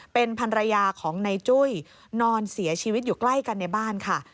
เป็นภรรยาของในจุ้ยนอนเสียชีวิตอยู่ใกล้กันในบ้านค่ะ